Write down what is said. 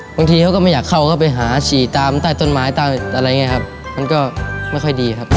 เขาก็ไม่อยากเข้าก็ไปหาฉี่ตามใต้ต้นไม้ใต้อะไรอย่างนี้ครับมันก็ไม่ค่อยดีครับ